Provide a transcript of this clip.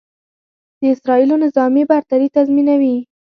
د اسرائیلو نظامي برتري تضیمنوي.